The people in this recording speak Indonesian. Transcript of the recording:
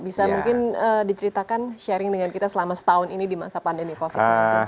bisa mungkin diceritakan sharing dengan kita selama setahun ini di masa pandemi covid sembilan belas